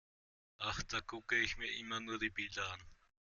Ach, da gucke ich mir immer nur die Bilder an.